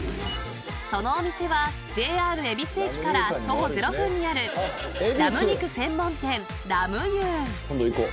そのお店はＪＲ恵比寿駅から徒歩０分にあるラム肉専門店、ラムユー。